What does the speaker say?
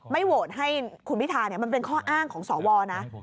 โหวตให้คุณพิธามันเป็นข้ออ้างของสวนะ